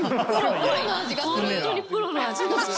ホントにプロの味がする。